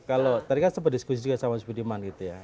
kalau tadi kan seperti diskusi sama spudiman gitu ya